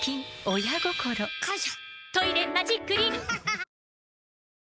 親心！感謝！